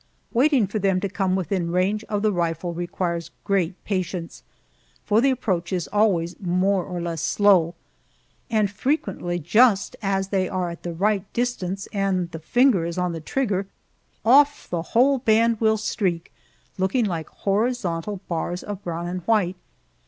Waiting for them to come within range of the rifle requires great patience, for the approach is always more or less slow, and frequently just as they are at the right distance and the finger is on the trigger, off the whole band will streak, looking like horizontal bars of brown and white!